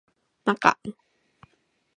なか